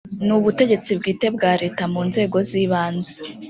ni ubutegetsi bwite bwa leta mu nzego zibanze